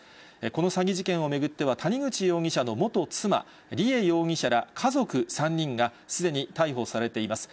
この詐欺事件を巡っては、谷口容疑者の元妻、梨恵容疑者ら家族３人がすでに逮捕されています。